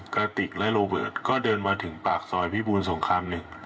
กระติกและโรเบิร์ตก็เดินมาถึงปากซอยพิบูรสงคราม๑